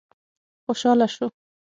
خوشاله شو.